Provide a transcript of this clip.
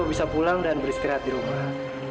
bisa pulang dan beristirahat di rumah